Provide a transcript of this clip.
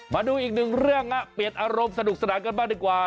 มาดูอีกหนึ่งเรื่องเปลี่ยนอารมณ์สนุกสนานกันบ้างดีกว่า